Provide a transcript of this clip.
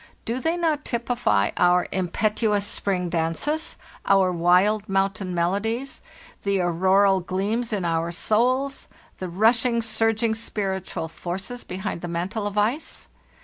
Do they not typify our impetuous 'spring dances, our wild mountain melodies, the auroral gleams in our souls, the rushing, surging, spiritual forces behind the mantle of ice?